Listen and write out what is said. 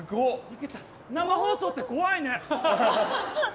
生放送って怖いね。